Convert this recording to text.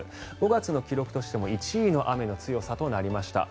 ５月の記録としても１位の雨の強さとなりました。